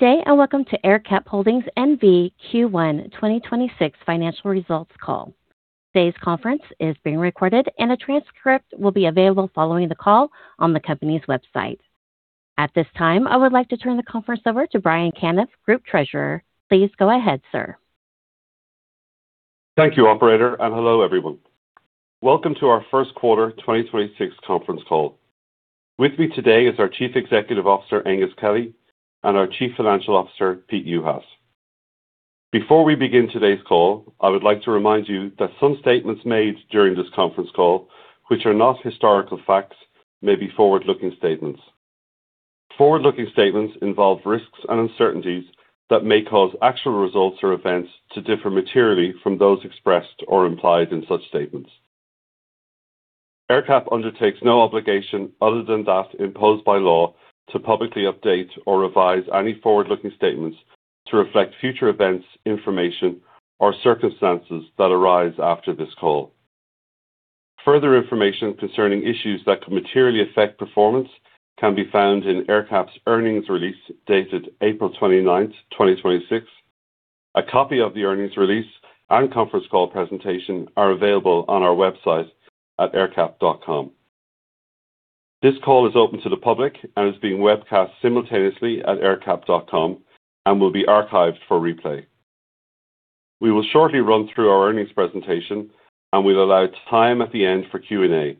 Good day. Welcome to AerCap Holdings N.V. Q1 2026 financial results call. Today's conference is being recorded, and a transcript will be available following the call on the company's website. At this time, I would like to turn the conference over to Brian Canniffe, Group Treasurer. Please go ahead, sir. Thank you, operator, and hello, everyone. Welcome to our first quarter 2026 conference call. With me today is our Chief Executive Officer, Aengus Kelly, and our Chief Financial Officer, Peter Juhas. Before we begin today's call, I would like to remind you that some statements made during this conference call, which are not historical facts, may be forward-looking statements. Forward-looking statements involve risks and uncertainties that may cause actual results or events to differ materially from those expressed or implied in such statements. AerCap undertakes no obligation other than that imposed by law to publicly update or revise any forward-looking statements to reflect future events, information, or circumstances that arise after this call. Further information concerning issues that could materially affect performance can be found in AerCap's earnings release dated April 29, 2026. A copy of the earnings release and conference call presentation are available on our website at aercap.com. This call is open to the public and is being webcast simultaneously at aercap.com and will be archived for replay. We will shortly run through our earnings presentation, and we will allow time at the end for Q&A.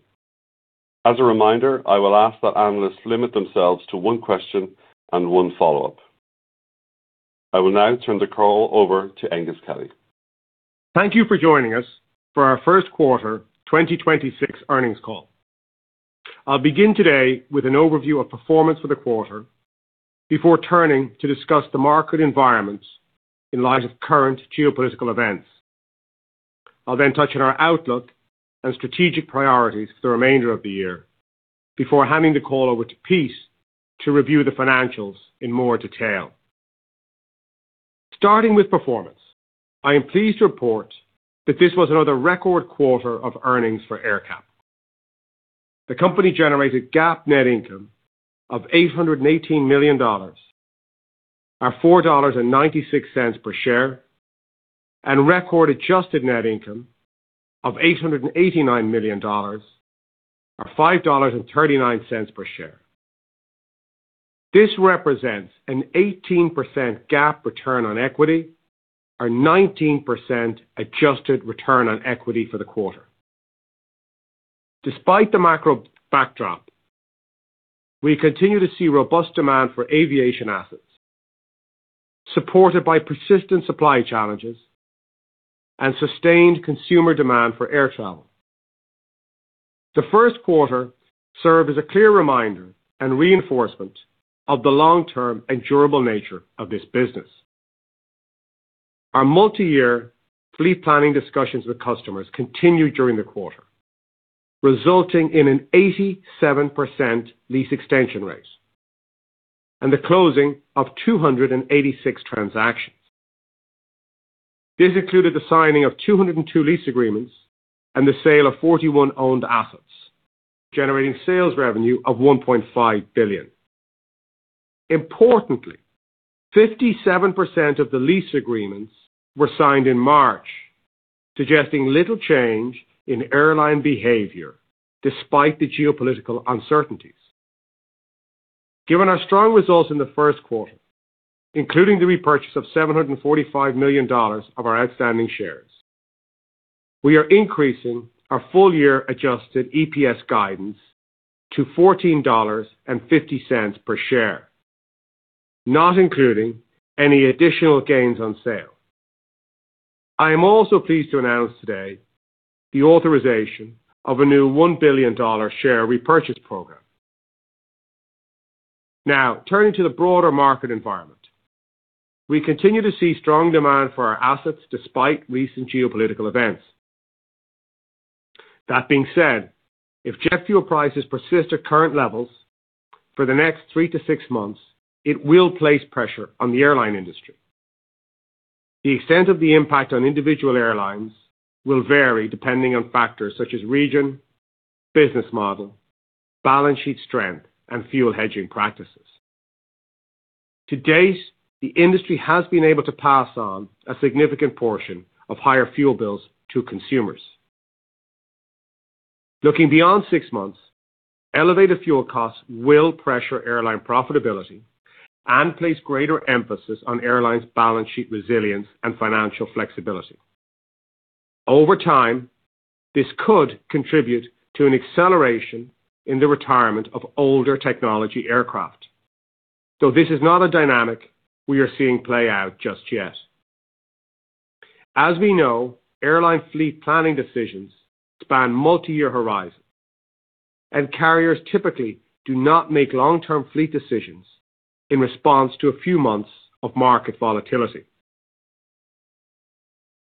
As a reminder, I will ask that analysts limit themselves to one question and one follow-up. I will now turn the call over to Aengus Kelly. Thank you for joining us for our first-quarter 2026 earnings call. I'll begin today with an overview of performance for the quarter before turning to discuss the market environments in light of current geopolitical events. I'll then touch on our outlook and strategic priorities for the remainder of the year before handing the call over to Pete to review the financials in more detail. Starting with performance, I am pleased to report that this was another record quarter of earnings for AerCap. The company generated GAAP net income of $818 million or $4.96 per share and record adjusted net income of $889 million or $5.39 per share. This represents an 18% GAAP return on equity or 19% adjusted return on equity for the quarter. Despite the macro backdrop, we continue to see robust demand for aviation assets, supported by persistent supply challenges and sustained consumer demand for air travel. The first quarter served as a clear reminder and reinforcement of the long-term and durable nature of this business. Our multiyear fleet planning discussions with customers continued during the quarter, resulting in an 87% lease extension rate and the closing of 286 transactions. This included the signing of 202 lease agreements and the sale of 41 owned assets, generating sales revenue of $1.5 billion. Importantly, 57 of the lease agreements were signed in March, suggesting little change in airline behavior despite the geopolitical uncertainties. Given our strong results in the first quarter, including the repurchase of $745 million of our outstanding shares, we are increasing our full-year adjusted EPS guidance to $14.50 per share, not including any additional gains on sale. I am also pleased to announce today the authorization of a new $1 billion share-repurchase program. Turning to the broader market environment. We continue to see strong demand for our assets despite recent geopolitical events. That being said, if jet fuel prices persist at current levels for the next three to six months, it will place pressure on the airline industry. The extent of the impact on individual airlines will vary depending on factors such as region, business model, balance-sheet strength, and fuel hedging practices. To date, the industry has been able to pass on a significant portion of higher fuel bills to consumers. Looking beyond six months, elevated fuel costs will pressure airline profitability and place greater emphasis on airlines' balance sheet resilience and financial flexibility. Over time, this could contribute to an acceleration in the retirement of older-technology aircraft. Though this is not a dynamic we are seeing play out just yet. As we know, airline fleet-planning decisions span multi-year horizons, and carriers typically do not make long-term fleet decisions in response to a few months of market volatility.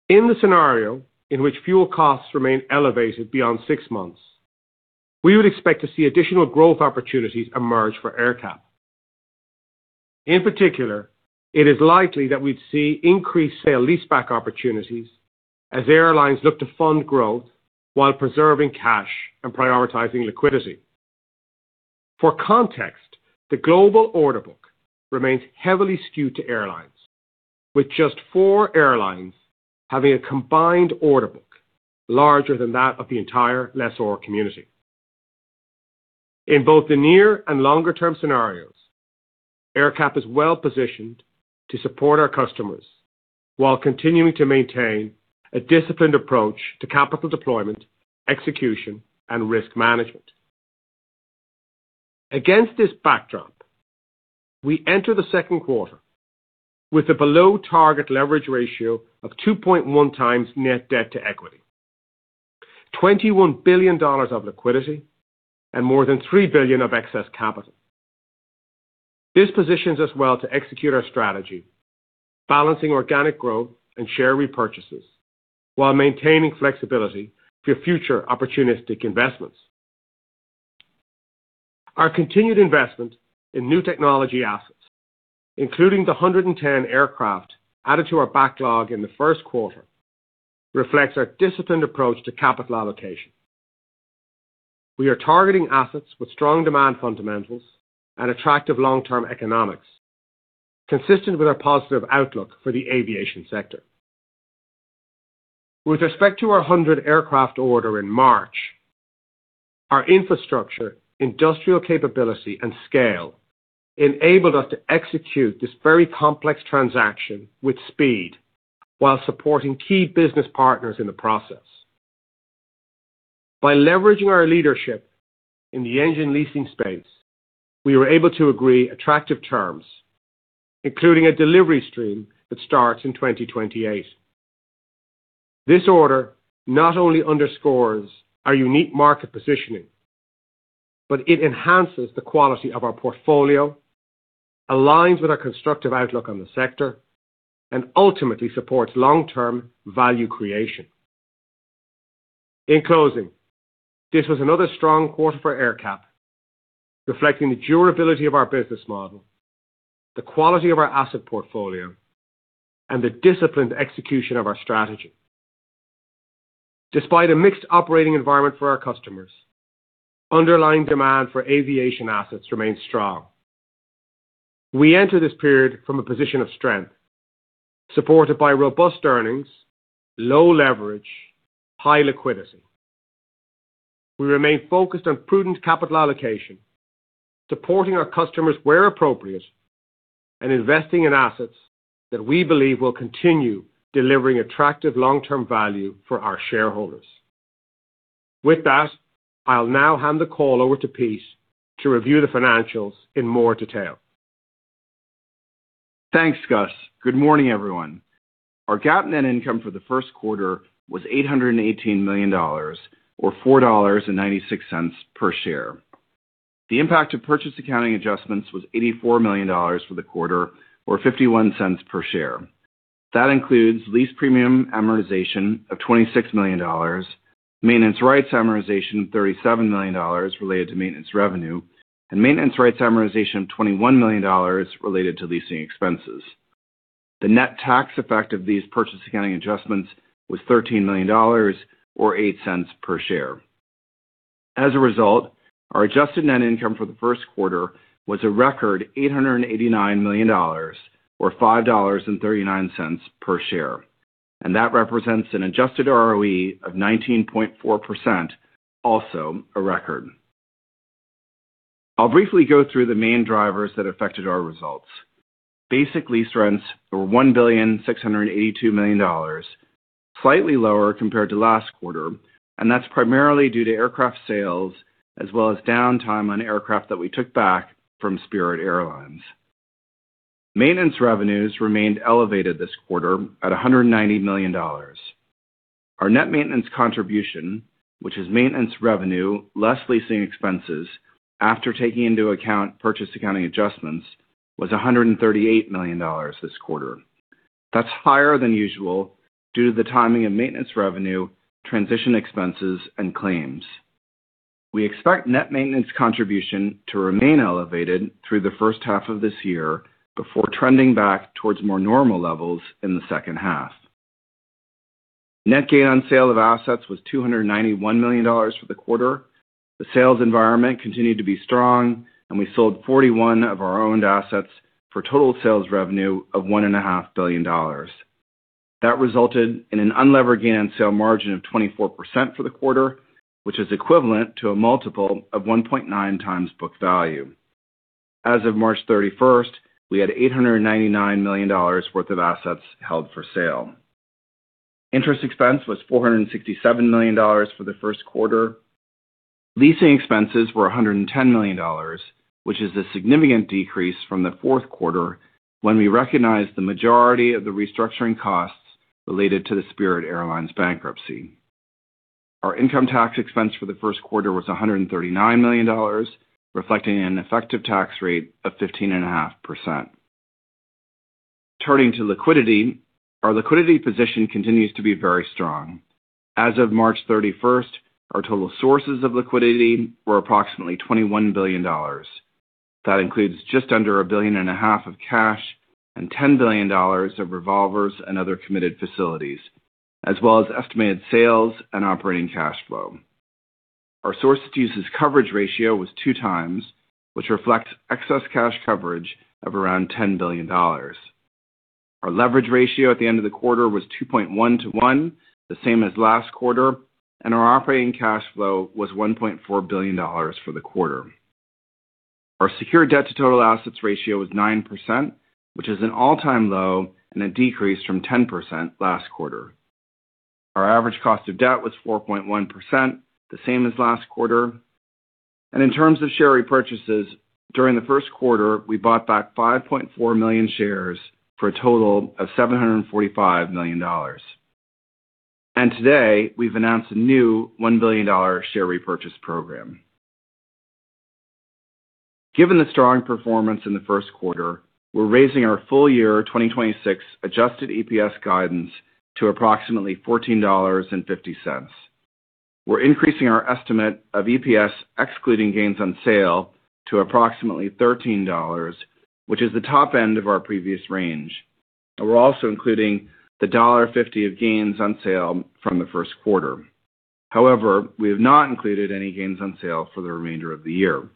In the scenario in which fuel costs remain elevated beyond six months, we would expect to see additional growth opportunities emerge for AerCap. In particular, it is likely that we'd see increased sale-leaseback opportunities as airlines look to fund growth while preserving cash and prioritizing liquidity. For context, the global order book remains heavily skewed to airlines, with just four airlines having a combined order book larger than that of the entire lessor community. In both the near and longer-term scenarios, AerCap is well-positioned to support our customers while continuing to maintain a disciplined approach to capital deployment, execution, and risk management. Against this backdrop, we enter the second quarter with a below-target leverage ratio of 2.1x net debt to equity, $21 billion of liquidity, and more than $3 billion of excess capital. This positions us well to execute our strategy, balancing organic growth and share repurchases while maintaining flexibility for future opportunistic investments. Our continued investment in new-technology assets, including the 110 aircraft added to our backlog in the first quarter, reflects our disciplined approach to capital allocation. We are targeting assets with strong demand fundamentals and attractive long-term economics, consistent with our positive outlook for the aviation sector. With respect to our 100-aircraft order in March, our infrastructure, industrial capability, and scale enabled us to execute this very complex transaction with speed while supporting key business partners in the process. By leveraging our leadership in the engine leasing space, we were able to agree attractive terms, including a delivery stream that starts in 2028. This order not only underscores our unique market positioning, but it enhances the quality of our portfolio, aligns with our constructive outlook on the sector, and ultimately supports long-term value creation. In closing, this was another strong quarter for AerCap, reflecting the durability of our business model, the quality of our asset portfolio, and the disciplined execution of our strategy. Despite a mixed operating environment for our customers, underlying demand for aviation assets remains strong. We enter this period from a position of strength, supported by robust earnings, low leverage, high liquidity. We remain focused on prudent capital allocation, supporting our customers where appropriate, and investing in assets that we believe will continue delivering attractive long-term value for our shareholders. With that, I'll now hand the call over to Pete to review the financials in more detail. Thanks, Gus. Good morning, everyone. Our GAAP net income for the first quarter was $818 million or $4.96 per share. The impact of purchase-accounting adjustments was $84 million for the quarter, or $0.51 per share. That includes lease premium amortization of $26 million, maintenance rights amortization of $37 million related to maintenance revenue, and maintenance rights amortization of $21 million related to leasing expenses. The net tax effect of these purchase-accounting adjustments was $13 million or $0.08 per share. As a result, our adjusted net income for the first quarter was a record $889 million, or $5.39 per share. That represents an adjusted ROE of 19.4%, also a record. I'll briefly go through the main drivers that affected our results. Basic lease rents were $1,682 million, slightly lower compared to last quarter, and that's primarily due to aircraft sales as well as downtime on aircraft that we took back from Spirit Airlines. Maintenance revenues remained elevated this quarter at $190 million. Our net maintenance contribution, which is maintenance revenue less leasing expenses after taking into account purchase-accounting adjustments, was $138 million this quarter. That's higher than usual due to the timing of maintenance revenue, transition expenses, and claims. We expect net maintenance contribution to remain elevated through the first half of this year before trending back towards more normal levels in the second half. Net gain on sale of assets was $291 million for the quarter. The sales environment continued to be strong, we sold 41 of our owned assets for total sales revenue of $1.5 billion. That resulted in an unlevered gain-on-sale margin of 24% for the quarter, which is equivalent to a multiple of 1.9x book value. As of March 31st, we had $899 million worth of assets held for sale. Interest expense was $467 million for the first quarter. Leasing expenses were $110 million, which is a significant decrease from the fourth quarter when we recognized the majority of the restructuring costs related to the Spirit Airlines bankruptcy. Our income tax expense for the first quarter was $139 million, reflecting an effective tax rate of 15.5%. Turning to liquidity, our liquidity position continues to be very strong. As of March 31st, our total sources of liquidity were approximately $21 billion. That includes just under a billion and a half of cash and $10 billion of revolvers and other committed facilities, as well as estimated sales and operating cash flow. Our sources to uses coverage ratio was 2x, which reflects excess cash coverage of around $10 billion. Our leverage ratio at the end of the quarter was 2.1x to 1x, the same as last quarter, and our operating cash flow was $1.4 billion for the quarter. Our secure debt to total assets ratio was 9%, which is an all-time low and a decrease from 10% last quarter. Our average cost of debt was 4.1%, the same as last quarter. In terms of share repurchases, during the first quarter, we bought back 5.4 million shares for a total of $745 million. Today, we've announced a new $1 billion share-repurchase program. Given the strong performance in the first quarter, we're raising our full year 2026 adjusted EPS guidance to approximately $14.50. We're increasing our estimate of EPS excluding gains on sale to approximately $13, which is the top end of our previous range. We're also including the $1.50 of gains on sale from the first quarter. However, we have not included any gains on sale for the remainder of the year.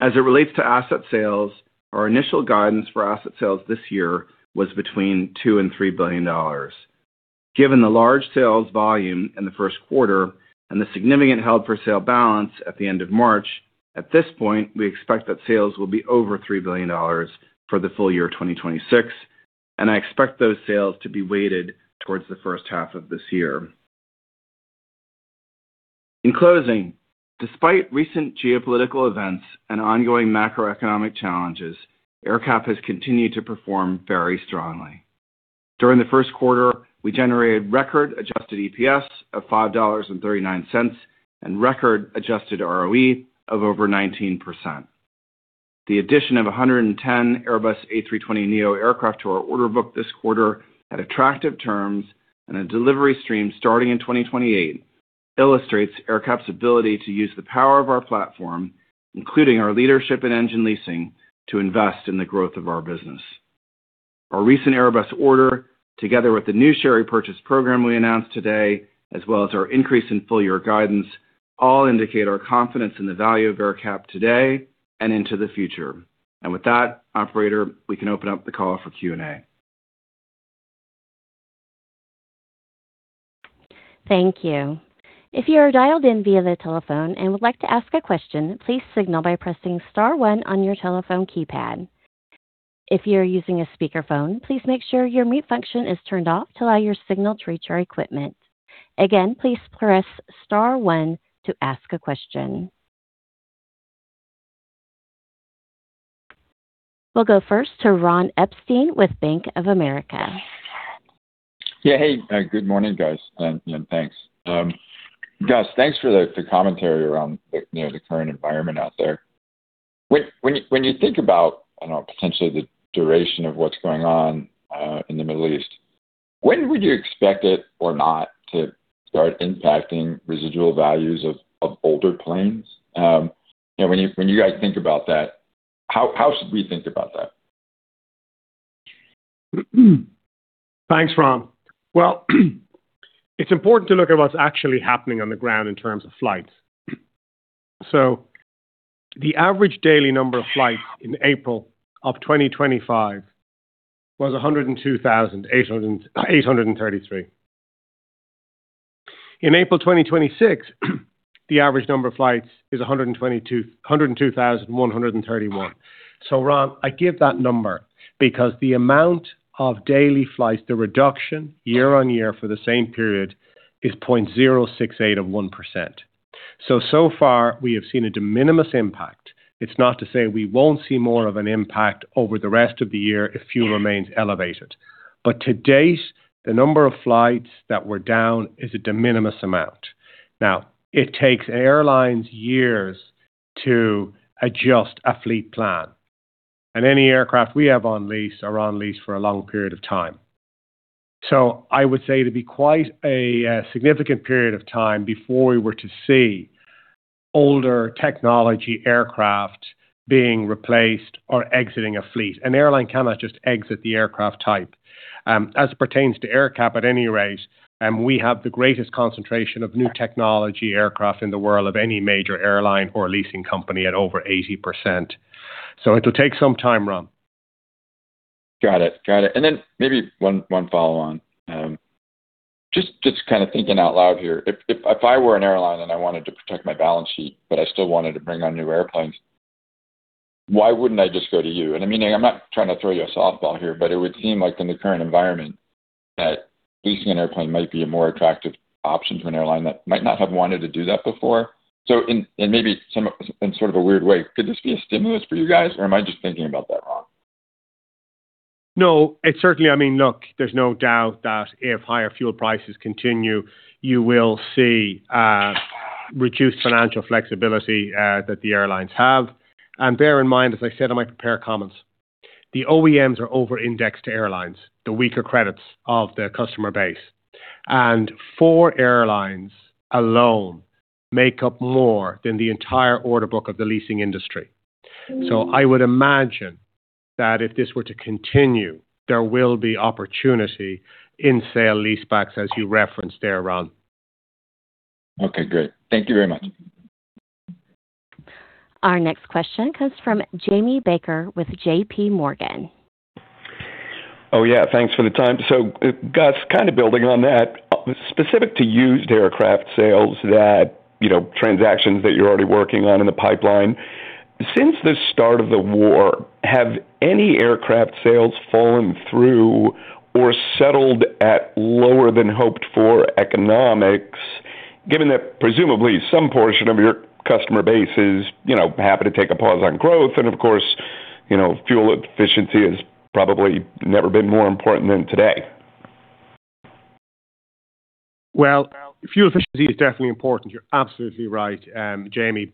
As it relates to asset sales, our initial guidance for asset sales this year was between $2 billion-$3 billion. Given the large sales volume in the first quarter and the significant held-for-sale balance at the end of March, at this point, we expect that sales will be over $3 billion for the full year 2026. I expect those sales to be weighted towards the first half of this year. In closing, despite recent geopolitical events and ongoing macroeconomic challenges, AerCap has continued to perform very strongly. During the first quarter, we generated record adjusted EPS of $5.39 and record adjusted ROE of over 19%. The addition of 110 Airbus A320neo aircraft to our order book this quarter at attractive terms and a delivery stream starting in 2028 illustrates AerCap's ability to use the power of our platform, including our leadership in engine leasing, to invest in the growth of our business. Our recent Airbus order, together with the new share-repurchase program we announced today, as well as our increase in full-year guidance, all indicate our confidence in the value of AerCap today and into the future. With that, operator, we can open up the call for Q&A. Thank you. If you are dialed in via the telephone and would like to ask a question, please signal by pressing star one on your telephone keypad. If you are using a speakerphone, please make sure your mute function is turned off to allow your signal to reach your equipment. Again, please press star one to ask a question. Thank you. We'll go first to Ronald Epstein with Bank of America. Hey, good morning, guys, and thanks. Gus, thanks for the commentary around the, you know, the current environment out there. When you think about, I don't know, potentially the duration of what's going on in the Middle East, when would you expect it or not to start impacting residual values of older planes? You know, when you guys think about that, how should we think about that? Thanks, Ron. Well, it's important to look at what's actually happening on the ground in terms of flights. The average daily number of flights in April of 2025 was 102,833. In April 2026, the average number of flights is 102,131. Ron, I give that number because the amount of daily flights, the reduction year-over-year for the same period is 0.068%. So far we have seen a de minimis impact. It's not to say we won't see more of an impact over the rest of the year if fuel remains elevated. To date, the number of flights that were down is a de minimis amount. Now, it takes airlines years to adjust a fleet plan, and any aircraft we have on lease are on lease for a long period of time. I would say it'd be quite a significant period of time before we were to see older-technology aircraft being replaced or exiting a fleet. An airline cannot just exit the aircraft type. As it pertains to AerCap at any rate, we have the greatest concentration of new technology aircraft in the world of any major airline or leasing company at over 80%. It'll take some time, Ron. Got it. Got it. Then maybe one follow on. Just kind of thinking out loud here. If I were an airline and I wanted to protect my balance sheet, but I still wanted to bring on new airplanes, why wouldn't I just go to you? I mean, I'm not trying to throw you a softball here, but it would seem like in the current environment that leasing an airplane might be a more attractive option to an airline that might not have wanted to do that before. In maybe some sort of a weird way, could this be a stimulus for you guys, or am I just thinking about that wrong? No, it certainly. I mean, look, there's no doubt that if higher fuel prices continue, you will see reduced financial flexibility that the airlines have. Bear in mind, as I said in my prepared comments. The OEMs are over-indexed to airlines, the weaker credits of their customer base. Four airlines alone make up more than the entire order book of the leasing industry. I would imagine that if this were to continue, there will be opportunity in sale leasebacks as you referenced there, Ron. Okay, great. Thank you very much. Our next question comes from Jamie Baker with JPMorgan. Oh yeah, thanks for the time. Gus, kind of building on that, specific to used aircraft sales that, you know, transactions that you're already working on in the pipeline, since the start of the war, have any aircraft sales fallen through or settled at lower than hoped for economics, given that presumably some portion of your customer base is, you know, happy to take a pause on growth? Of course, you know, fuel efficiency has probably never been more important than today. Well, fuel efficiency is definitely important. You're absolutely right, Jamie.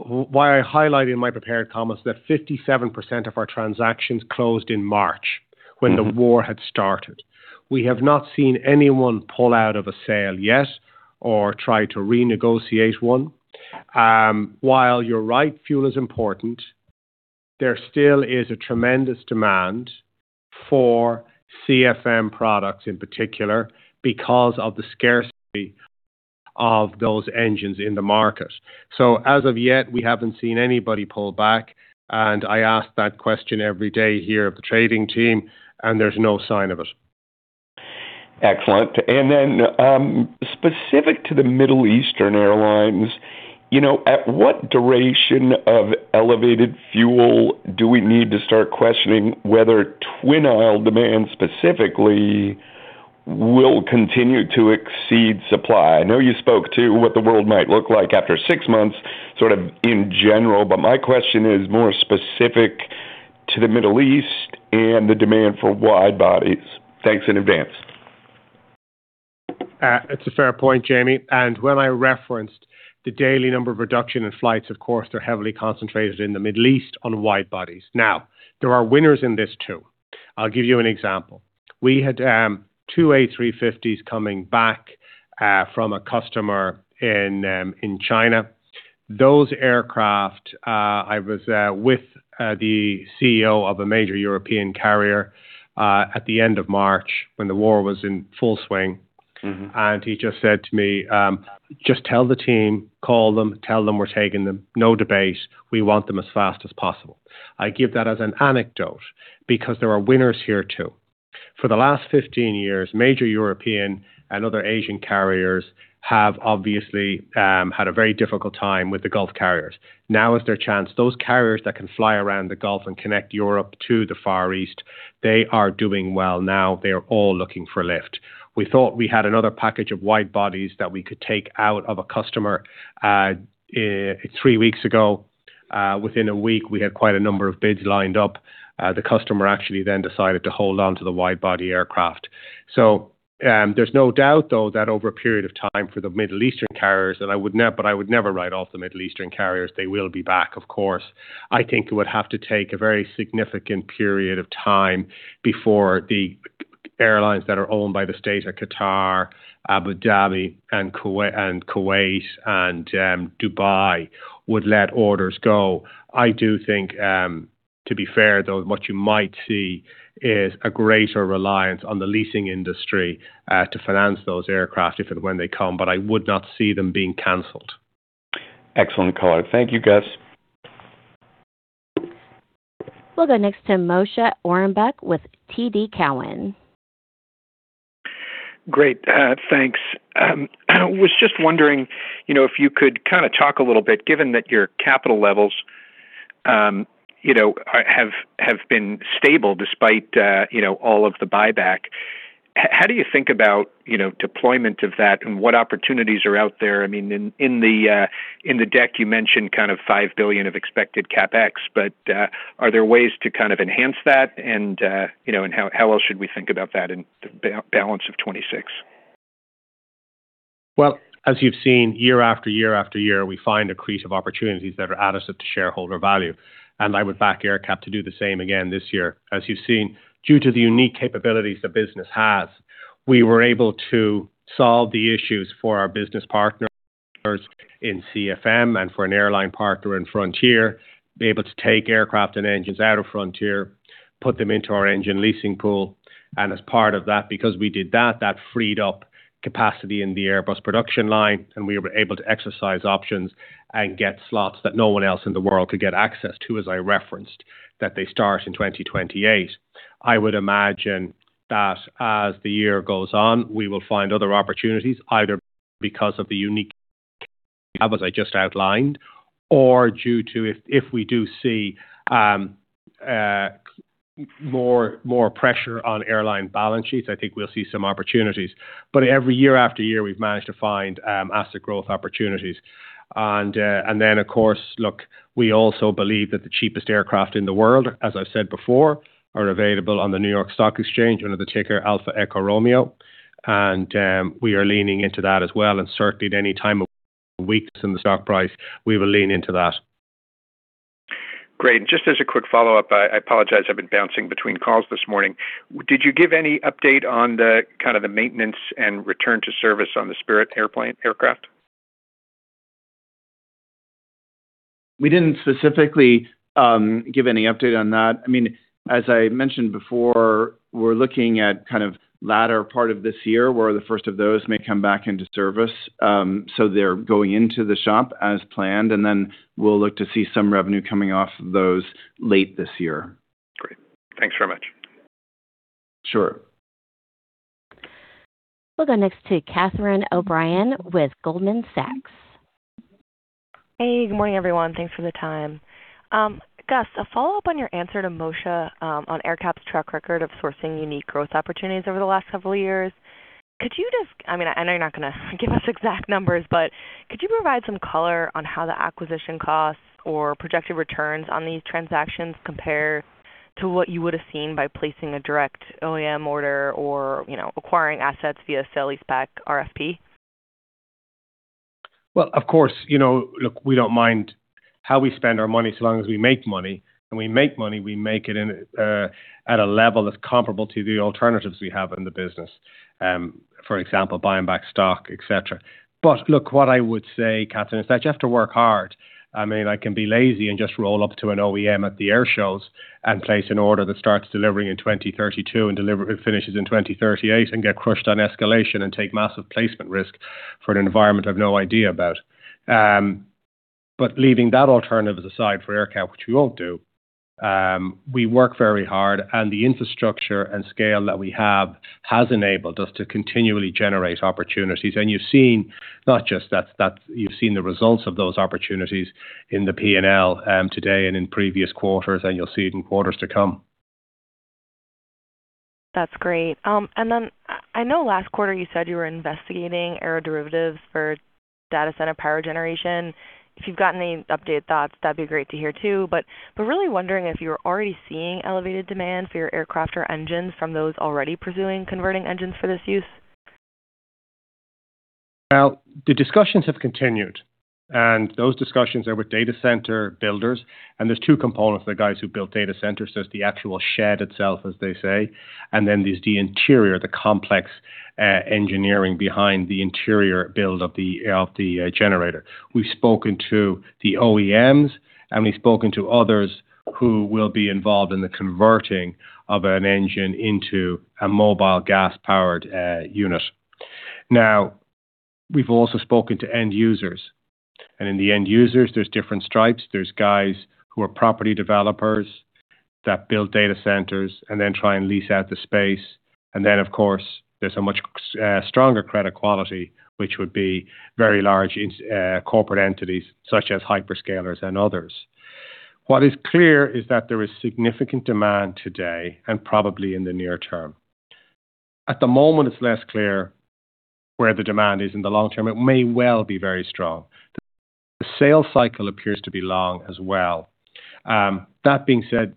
While I highlight in my prepared comments that 57% of our transactions closed in March when the war had started, we have not seen anyone pull out of a sale yet or try to renegotiate one. While you're right, fuel is important, there still is a tremendous demand for CFM products in particular because of the scarcity of those engines in the market. As of yet, we haven't seen anybody pull back, and I ask that question every day here of the trading team, and there's no sign of it. Excellent. Then, specific to the Middle Eastern airlines, you know, at what duration of elevated fuel do we need to start questioning whether twin-aisle demand specifically will continue to exceed supply? I know you spoke to what the world might look like after six months sort of in general, but my question is more specific to the Middle East and the demand for wide-bodies. Thanks in advance. That's a fair point, Jamie. When I referenced the daily number of reduction in flights, of course, they're heavily concentrated in the Middle East on wide-bodies. Now, there are winners in this too. I'll give you an example. We had two A350s coming back from a customer in China. Those aircraft, I was with the CEO of a major European carrier at the end of March when the war was in full swing. Mm-hmm. He just said to me, "Just tell the team, call them, tell them we're taking them. No debate. We want them as fast as possible." I give that as an anecdote because there are winners here too. For the last 15 years, major European and other Asian carriers have obviously had a very difficult time with the Gulf carriers. Now is their chance. Those carriers that can fly around the Gulf and connect Europe to the Far East, they are doing well now. They are all looking for lift. We thought we had another package of wide-bodies that we could take out of a customer three weeks ago. Within a week, we had quite a number of bids lined up. The customer actually then decided to hold onto the wide-body aircraft. There's no doubt, though, that over a period of time for the Middle Eastern carriers that but I would never write off the Middle Eastern carriers. They will be back, of course. I think it would have to take a very significant period of time before the airlines that are owned by the state of Qatar, Abu Dhabi, and Kuwait and Dubai would let orders go. I do think, to be fair, though, what you might see is a greater reliance on the leasing industry to finance those aircraft if and when they come, but I would not see them being canceled. Excellent call. Thank you, Gus. We'll go next to Moshe Orenbuch with TD Cowen. Great. Thanks. I was just wondering, you know, if you could kinda talk a little bit, given that your capital levels, you know, have been stable despite, you know, all of the buyback, how do you think about, you know, deployment of that and what opportunities are out there? I mean, in the deck, you mentioned kind of $5 billion of expected CapEx, but are there ways to kind of enhance that? You know, how else should we think about that in the balance of 2026? Well, as you've seen year after year after year, we find accretive opportunities that are additive to shareholder value, and I would back AerCap to do the same again this year. As you've seen, due to the unique capabilities the business has, we were able to solve the issues for our business partners in CFM and for an airline partner in Frontier, be able to take aircraft and engines out of Frontier, put them into our engine leasing pool. As part of that, because we did that freed up capacity in the Airbus production line, and we were able to exercise options and get slots that no one else in the world could get access to, as I referenced, that they start in 2028. I would imagine that as the year goes on, we will find other opportunities, either because of the unique as I just outlined, or due to if we do see, more pressure on airline balance sheets, I think we'll see some opportunities. Every year after year, we've managed to find, asset growth opportunities. Then of course, look, we also believe that the cheapest aircraft in the world, as I've said before, are available on the New York Stock Exchange under the ticker Alpha Echo Romeo, and we are leaning into that as well. Certainly at any time of weakness in the stock price, we will lean into that. Great. Just as a quick follow-up, I apologize, I've been bouncing between calls this morning. Did you give any update on the kind of the maintenance and return to service on the Spirit aircraft? We didn't specifically give any update on that. I mean, as I mentioned before, we're looking at kind of latter part of this year, where the first of those may come back into service. They're going into the shop as planned, and then we'll look to see some revenue coming off those late this year. Great. Thanks very much. Sure. We'll go next to Catherine O'Brien with Goldman Sachs. Hey, good morning, everyone. Thanks for the time. Gus, a follow-up on your answer to Moshe, on AerCap's track record of sourcing unique growth opportunities over the last couple of years. I mean, I know you're not gonna give us exact numbers, but could you provide some color on how the acquisition costs or projected returns on these transactions compare to what you would have seen by placing a direct OEM order or, you know, acquiring assets via sale leaseback RFP? Well, of course, you know, look, we don't mind how we spend our money so long as we make money. When we make money, we make it in, at a level that's comparable to the alternatives we have in the business, for example, buying back stock, et cetera. Look, what I would say, Catherine, is that you have to work hard. I can be lazy and just roll up to an OEM at the air shows and place an order that starts delivering in 2032 and finishes in 2038 and get crushed on escalation and take massive placement risk for an environment I've no idea about. Leaving that alternative aside for AerCap, which we won't do, we work very hard, and the infrastructure and scale that we have has enabled us to continually generate opportunities. You've seen not just that you've seen the results of those opportunities in the P&L, today and in previous quarters, and you'll see it in quarters to come. That's great. I know last quarter you said you were investigating aeroderivatives for data center power generation. If you've got any updated thoughts, that'd be great to hear too. Really wondering if you're already seeing elevated demand for your aircraft or engines from those already pursuing converting engines for this use. Well, the discussions have continued, and those discussions are with data-center builders. There's two components. The guys who build data centers, there's the actual shed itself, as they say, and then there's the interior, the complex engineering behind the interior build of the, of the aeroderivative. We've spoken to the OEMs, and we've spoken to others who will be involved in the converting of an engine into a mobile gas-powered unit. Now, we've also spoken to end users. In the end users, there's different stripes. There's guys who are property developers that build data centers and then try and lease out the space. Then, of course, there's a much stronger credit quality, which would be very large corporate entities such as hyperscalers and others. What is clear is that there is significant demand today and probably in the near term. At the moment, it's less clear where the demand is in the long term. It may well be very strong. The sales cycle appears to be long as well. That being said,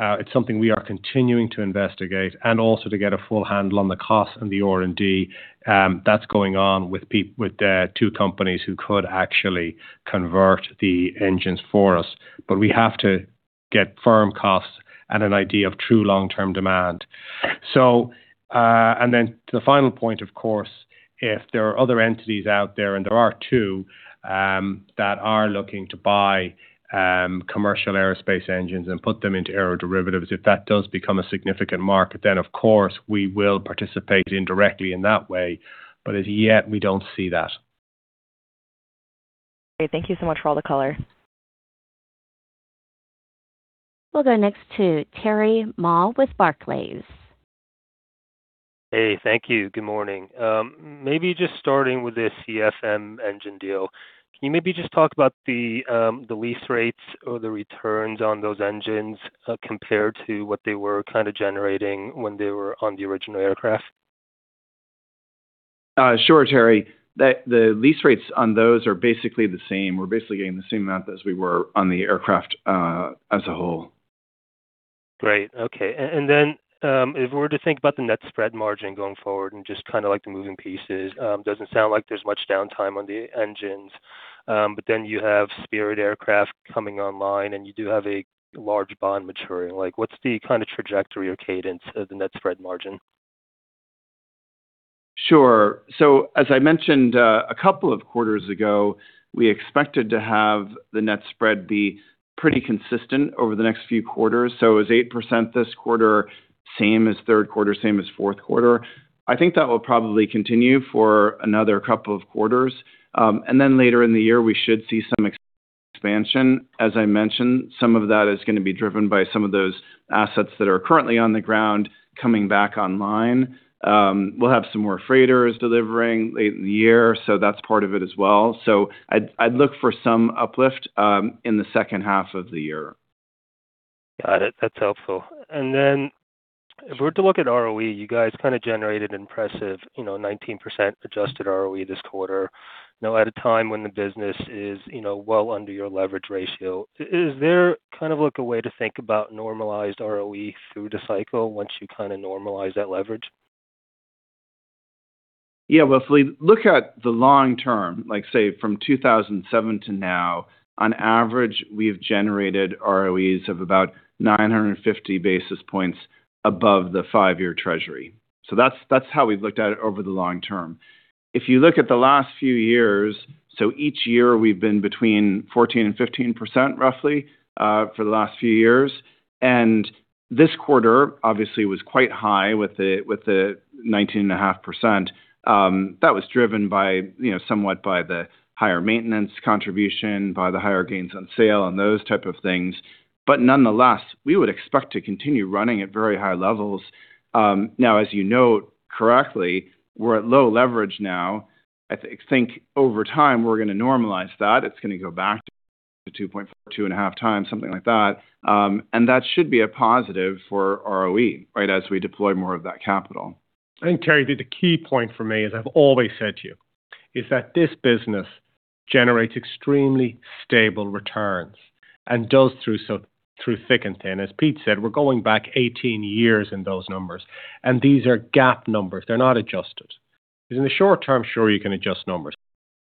it's something we are continuing to investigate and also to get a full handle on the cost and the R&D that's going on with the two companies who could actually convert the engines for us. We have to get firm costs and an idea of true long-term demand. To the final point, of course, if there are other entities out there, and there are two, that are looking to buy commercial aerospace engines and put them into aeroderivatives, if that does become a significant market, of course we will participate indirectly in that way. As yet, we don't see that. Great. Thank you so much for all the color. We'll go next to Terry Ma with Barclays. Hey, thank you. Good morning. Maybe just starting with the CFM engine deal, can you maybe just talk about the lease rates or the returns on those engines compared to what they were kind of generating when they were on the original aircraft? Sure, Terry. The lease rates on those are basically the same. We're basically getting the same amount as we were on the aircraft as a whole. Great. Okay. If we were to think about the net spread margin going forward and just kind of like the moving pieces, doesn't sound like there's much downtime on the engines. You have Spirit Aircraft coming online, and you do have a large bond maturing. Like, what's the kind of trajectory or cadence of the net spread margin? Sure. As I mentioned, a couple of quarters ago, we expected to have the net spread be pretty consistent over the next few quarters. It was 8% this quarter, same as third quarter, same as fourth quarter. I think that will probably continue for another couple of quarters. Later in the year, we should see some expansion. As I mentioned, some of that is gonna be driven by some of those assets that are currently on the ground coming back online. We'll have some more freighters delivering late in the year, that's part of it as well. I'd look for some uplift in the second half of the year. Got it. That's helpful. If we were to look at ROE, you guys kind of generated impressive, you know, 19% adjusted ROE this quarter, you know, at a time when the business is, you know, well under your leverage ratio. Is there kind of like a way to think about normalized ROE through the cycle once you kind of normalize that leverage? Yeah, well, if we look at the long term, like say from 2007 to now, on average, we've generated ROEs of about 950 basis points above the five-year treasury. That's how we've looked at it over the long term. If you look at the last few years, each year we've been between 14% and 15% roughly for the last few years. This quarter obviously was quite high with the 19.5%. That was driven by, you know, somewhat by the higher maintenance contribution, by the higher gains on sale and those type of things. Nonetheless, we would expect to continue running at very high levels. Now as you note correctly, we're at low leverage now. I think over time we're gonna normalize that. It's gonna go back to 2.4x, 2.5x, something like that. That should be a positive for ROE, right? As we deploy more of that capital. I think, Terry, the key point for me, as I've always said to you, is that this business generates extremely stable returns and does through thick and thin. As Pete said, we're going back 18 years in those numbers. These are GAAP numbers. They're not adjusted. In the short term, sure, you can adjust numbers,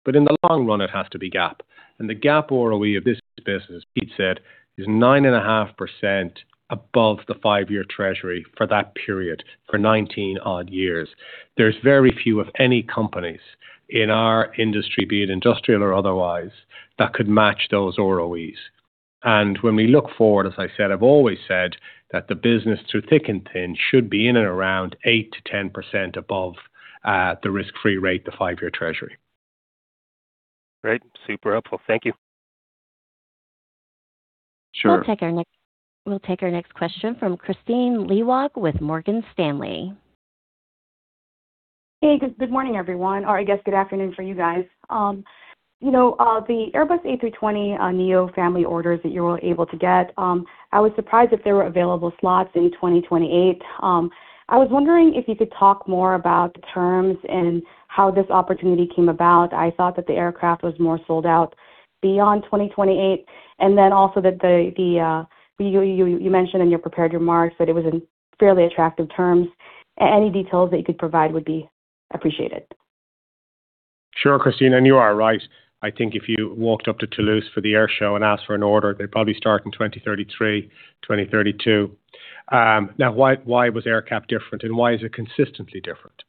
but in the long run, it has to be GAAP. The GAAP ROE of this business, Pete said, is 9.5% above the five-year treasury for that period, for 19-odd years. There's very few of any companies in our industry, be it industrial or otherwise, that could match those ROEs. When we look forward, as I said, I've always said, that the business through thick and thin should be in and around 8%-10% above the risk-free rate, the five-year treasury. Great. Super helpful. Thank you. Sure. We'll take our next question from Kristine Liwag with Morgan Stanley. Hey, good morning, everyone, or I guess good afternoon for you guys. You know, the Airbus A320neo family orders that you were able to get, I was surprised that there were available slots in 2028. I was wondering if you could talk more about the terms and how this opportunity came about. I thought that the aircraft was more sold out beyond 2028, also that you mentioned in your prepared remarks that it was in fairly attractive terms. Any details that you could provide would be appreciated. Sure, Kristine, you are right. I think if you walked up to Toulouse for the air show and asked for an order, they'd probably start in 2033, 2032. Now why was AerCap different, and why is it consistently different?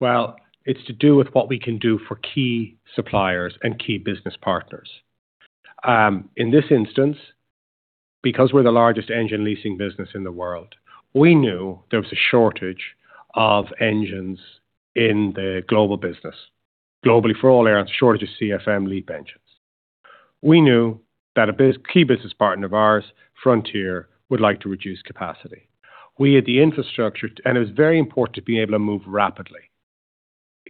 Well, it's to do with what we can do for key suppliers and key business partners. In this instance, because we're the largest engine-leasing business in the world, we knew there was a shortage of engines in the global business. Globally for all airlines, a shortage of CFM LEAP engines. We knew that a key business partner of ours, Frontier, would like to reduce capacity. We had the infrastructure, and it was very important to be able to move rapidly.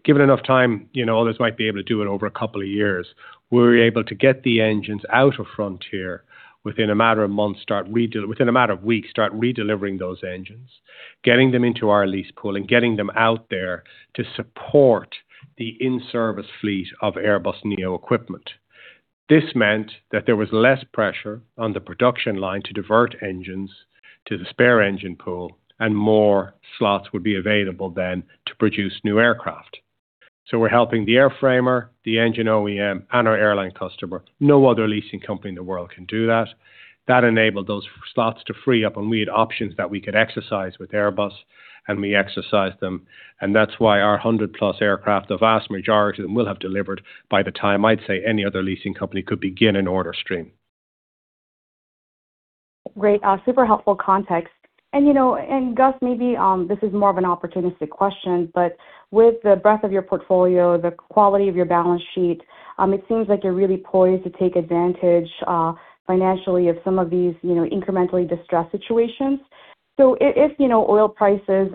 Given enough time, you know, others might be able to do it over a couple of years. We were able to get the engines out of Frontier within a matter of months, within a matter of weeks, start redelivering those engines, getting them into our lease pool and getting them out there to support the in-service fleet of Airbus neo equipment. This meant that there was less pressure on the production line to divert engines to the spare-engine pool, and more slots would be available then to produce new aircraft. We're helping the airframer, the engine OEM, and our airline customer. No other leasing company in the world can do that. That enabled those slots to free up, and we had options that we could exercise with Airbus, and we exercised them. That's why our 100+ aircraft, the vast majority of them will have delivered by the time I'd say any other leasing company could begin an order stream. Great. Super helpful context. You know, Gus, maybe, this is more of an opportunistic question, but with the breadth of your portfolio, the quality of your balance sheet, it seems like you're really poised to take advantage, financially of some of these, you know, incrementally distressed situations. If, you know, oil prices,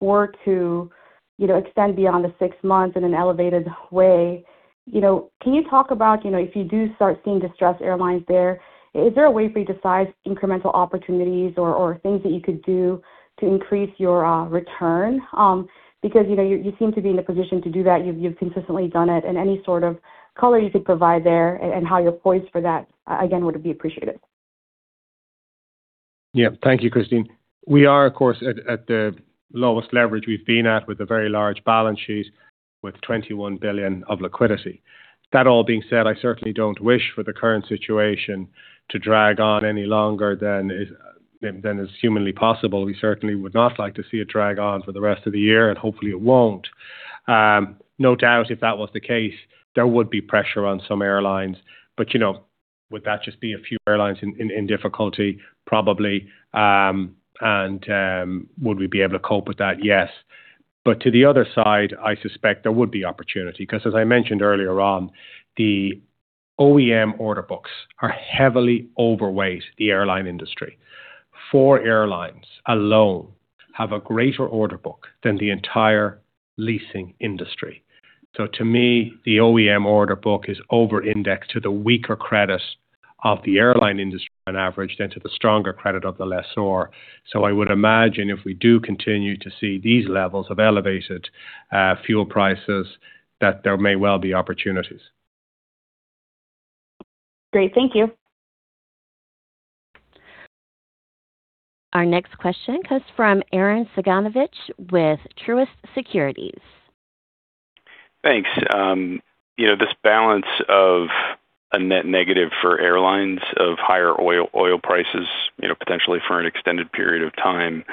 were to, you know, extend beyond the six months in an elevated way, you know, can you talk about, you know, if you do start seeing distressed airlines there, is there a way for you to size incremental opportunities or things that you could do to increase your return? Because, you know, you seem to be in a position to do that. You've consistently done it. Any sort of color you could provide there and how you're poised for that, again, would be appreciated. Thank you, Kristine. We are, of course, at the lowest leverage we've been at with a very large balance sheet with $21 billion of liquidity. That all being said, I certainly don't wish for the current situation to drag on any longer than is humanly possible. We certainly would not like to see it drag on for the rest of the year, and hopefully it won't. No doubt, if that was the case, there would be pressure on some airlines. You know, would that just be a few airlines in difficulty? Probably. Would we be able to cope with that? Yes. To the other side, I suspect there would be opportunity, because as I mentioned earlier on, the OEM order books are heavily overweight the airline industry. Four airlines alone have a greater order book than the entire leasing industry. To me, the OEM order book is over-indexed to the weaker credit of the airline industry on average than to the stronger credit of the lessor. I would imagine if we do continue to see these levels of elevated fuel prices, that there may well be opportunities. Great. Thank you. Our next question comes from Arren Cyganovich with Truist Securities. Thanks. You know, this balance of a net negative for airlines of higher oil prices, you know, potentially for an extended period of time,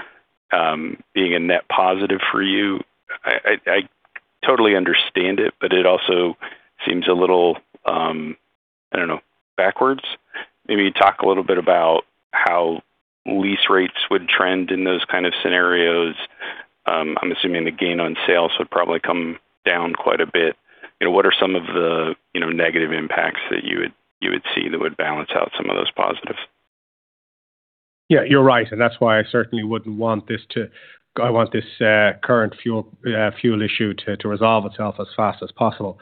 being a net positive for you. I, I totally understand it, but it also seems a little, I don't know, backwards. Maybe talk a little bit about how lease rates would trend in those kind of scenarios. I'm assuming the gain on sales would probably come down quite a bit. You know, what are some of the, you know, negative impacts that you would, you would see that would balance out some of those positives? Yeah, you're right. That's why I certainly wouldn't want this current fuel issue to resolve itself as fast as possible.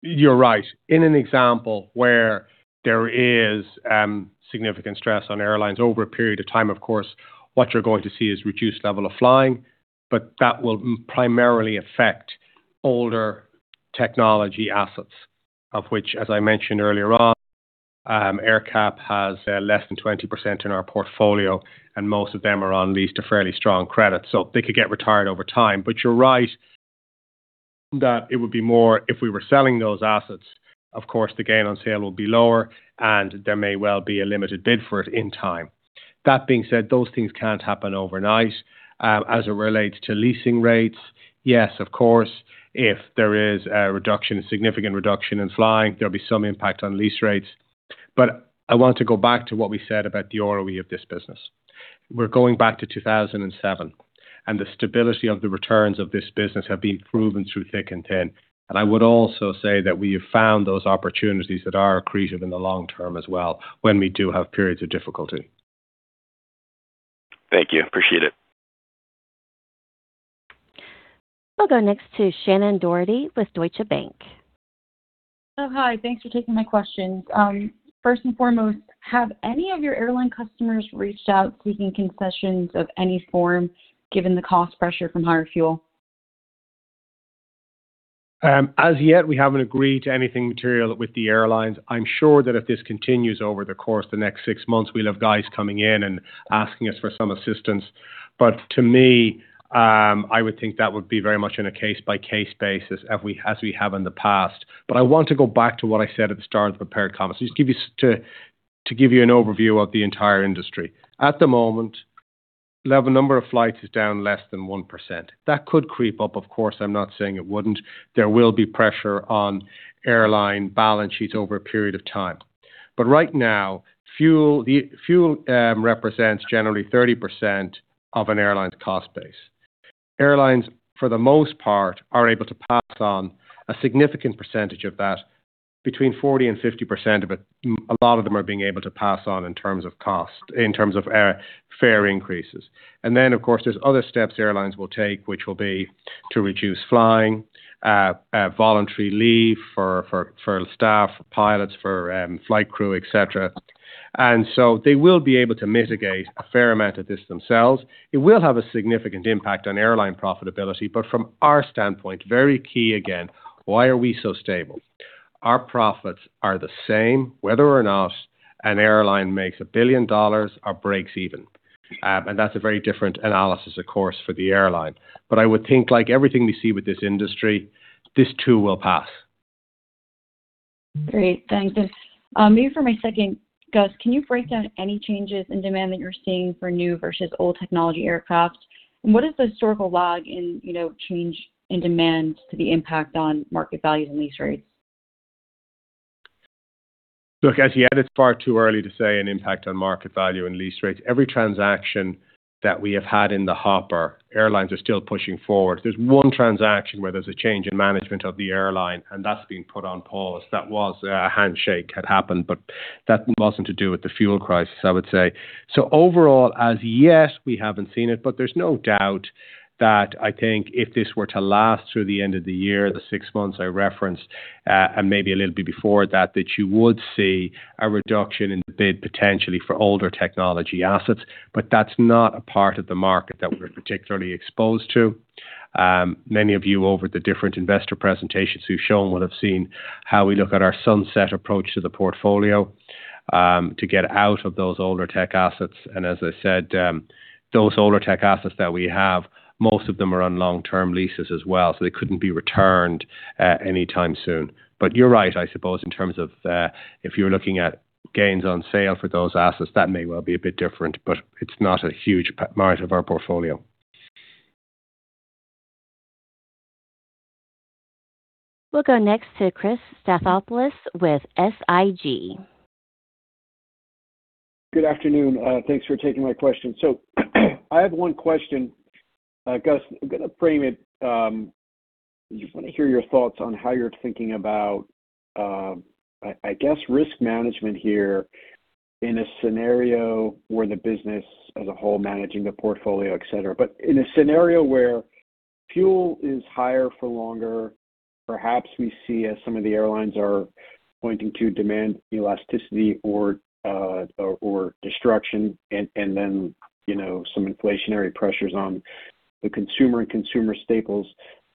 You're right. In an example where there is significant stress on airlines over a period of time, of course, what you're going to see is reduced level of flying, but that will primarily affect older technology assets, of which, as I mentioned earlier on, AerCap has less than 20% in our portfolio, and most of them are on lease to fairly strong credit. They could get retired over time. You're right that it would be more if we were selling those assets, of course, the gain on sale will be lower, and there may well be a limited bid for it in time. That being said, those things can't happen overnight. As it relates to leasing rates, yes, of course, if there is a reduction, a significant reduction in flying, there'll be some impact on lease rates. I want to go back to what we said about the ROE of this business. We're going back to 2007, the stability of the returns of this business have been proven through thick and thin. I would also say that we have found those opportunities that are accretive in the long term as well when we do have periods of difficulty. Thank you. Appreciate it. We'll go next to Shannon Doherty with Deutsche Bank. Oh, hi. Thanks for taking my questions. First and foremost, have any of your airline customers reached out seeking concessions of any form given the cost pressure from higher fuel? As yet, we haven't agreed to anything material with the airlines. I'm sure that if this continues over the course of the next six months, we'll have guys coming in and asking us for some assistance. To me, I would think that would be very much in a case-by-case basis as we have in the past. I want to go back to what I said at the start of the prepared comments. Just give you to give you an overview of the entire industry. At the moment, level number of flights is down less than 1%. That could creep up, of course. I'm not saying it wouldn't. There will be pressure on airline balance sheets over a period of time. Right now, the fuel represents generally 30% of an airline's cost base. Airlines, for the most part, are able to pass on a significant percentage of that, between 40% and 50% of it, a lot of them are being able to pass on in terms of cost, in terms of airfare increases. There's other steps airlines will take, which will be to reduce flying, voluntary leave for staff, for pilots, for flight crew, et cetera. So they will be able to mitigate a fair amount of this themselves. It will have a significant impact on airline profitability. From our standpoint, very key again, why are we so stable? Our profits are the same whether or not an airline makes $1 billion or breaks even. That's a very different analysis, of course, for the airline. I would think like everything we see with this industry, this too will pass. Great. Thanks. Maybe for my second, Gus, can you break down any changes in demand that you're seeing for new versus old-technology aircraft? What is the historical lag in, you know, change in demand to the impact on market values and lease rates? Look, as yet, it's far too early to say an impact on market value and lease rates. Every transaction that we have had in the hopper, airlines are still pushing forward. There's one transaction where there's a change in management of the airline, and that's been put on pause. That was a handshake had happened, but that wasn't to do with the fuel crisis, I would say. Overall, as yet, we haven't seen it, but there's no doubt that I think if this were to last through the end of the year, the six months I referenced, and maybe a little bit before that you would see a reduction in the bid potentially for older technology assets. That's not a part of the market that we're particularly exposed to. Many of you over the different investor presentations who've shown would have seen how we look at our sunset approach to the portfolio to get out of those older-tech assets. As I said, those older-tech assets that we have, most of them are on long-term leases as well, so they couldn't be returned anytime soon. You're right, I suppose, in terms of, if you're looking at gains on sale for those assets, that may well be a bit different, but it's not a huge part of our portfolio. We'll go next to Chris Stathoulopoulos with SIG. Good afternoon. Thanks for taking my question. I have one question. Gus, I'm gonna frame it, just wanna hear your thoughts on how you're thinking about, I guess risk management here in a scenario where the business as a whole managing the portfolio, et cetera. In a scenario where fuel is higher for longer, perhaps we see as some of the airlines are pointing to demand elasticity or destruction and then, you know, some inflationary pressures on the consumer and consumer staples.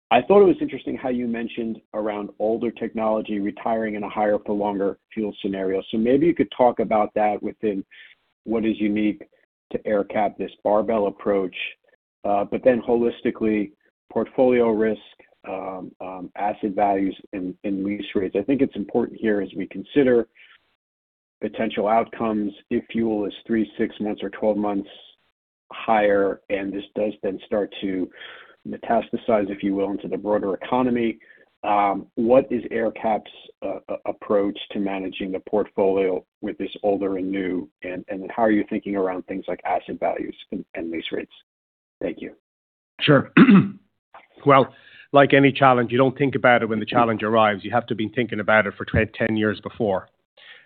I thought it was interesting how you mentioned around older technology retiring in a higher-for-longer fuel scenario. Maybe you could talk about that within what is unique to AerCap, this barbell approach. Holistically, portfolio risk, asset values and lease rates. I think it's important here as we consider potential outcomes if fuel is three, six months, or 12 months higher, and this does then start to metastasize, if you will, into the broader economy, what is AerCap's approach to managing the portfolio with this older and new, and how are you thinking around things like asset values and lease rates? Thank you. Sure. Well, like any challenge, you don't think about it when the challenge arrives. You have to be thinking about it for 10 years before.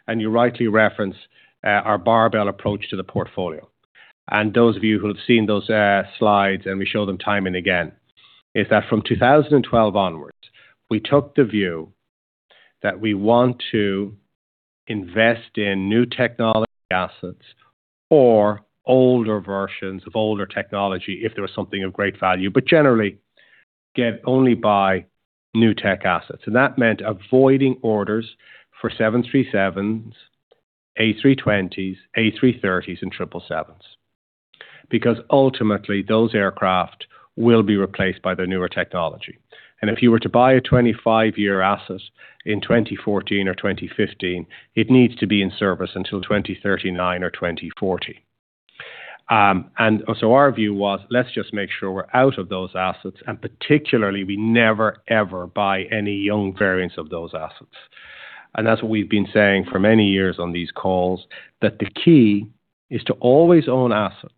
You rightly reference our barbell approach to the portfolio. Those of you who have seen those slides, and we show them time and again, is that from 2012 onwards, we took the view that we want to invest in new-technology assets or older versions of older technology if there was something of great value. Generally, get only by new-tech assets. That meant avoiding orders for 737s, A320s, A330s, and 777s because ultimately, those aircraft will be replaced by the newer technology. If you were to buy a 25-year asset in 2014 or 2015, it needs to be in service until 2039 or 2040. Our view was, let's just make sure we're out of those assets, and particularly we never, ever buy any young variants of those assets. That's what we've been saying for many years on these calls, that the key is to always own assets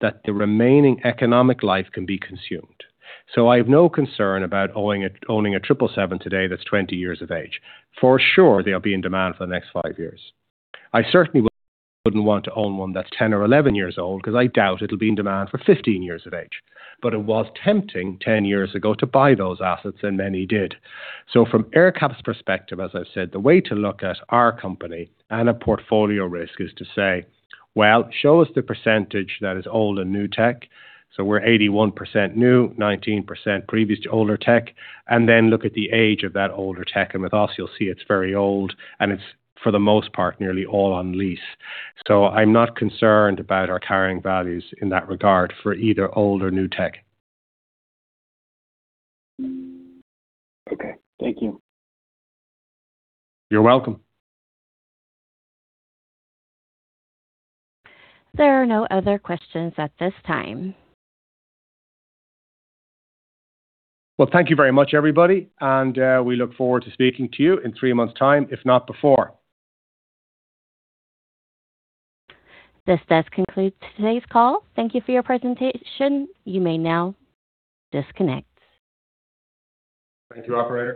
that the remaining economic life can be consumed. I have no concern about owning a 777 today that's 20 years of age. For sure, they'll be in demand for the next five years. I certainly wouldn't want to own one that's 10 or 11 years old because I doubt it'll be in demand for 15 years of age. It was tempting 10 years ago to buy those assets, and many did. From AerCap's perspective, as I've said, the way to look at our company and a portfolio risk is to say, "Well, show us the percentage that is old and new tech." We're 81% new, 19% previous to older tech. Look at the age of that older tech. With us, you'll see it's very old, and it's, for the most part, nearly all on lease. I'm not concerned about our carrying values in that regard for either old or new tech. Okay. Thank you. You're welcome. There are no other questions at this time. Well, thank you very much, everybody, and we look forward to speaking to you in three months' time, if not before. This does conclude today's call. Thank you for your presentation. You may now disconnect. Thank you, operator.